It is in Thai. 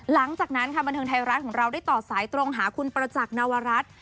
หลังจากนั้นค่ะบันเทิงไทยรัฐของเราได้ต่อสายตรงหาคุณประจักษ์นวรัฐ